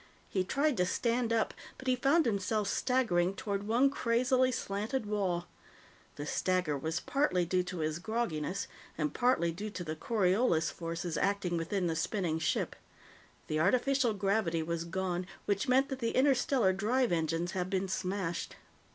He tried to stand up, but he found himself staggering toward one crazily slanted wall. The stagger was partly due to his grogginess, and partly due to the Coriolis forces acting within the spinning ship. The artificial gravity was gone, which meant that the interstellar drive engines had been smashed.